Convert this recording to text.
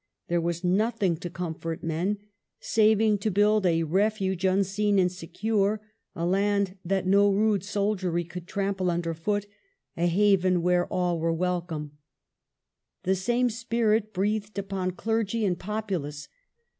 There was nothing to comfort men, saving to build a refuge unseen and secure, a land that no rude soldiery could trample under foot, a haven where all were welcome. The same spirit breathed upon clergy and populace.